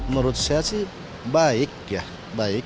menurut saya sih baik ya